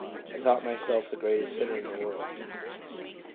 I thought myself the greatest sinner in the world.'